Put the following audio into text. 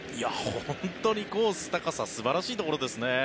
本当にコース、高さ素晴らしいところですね。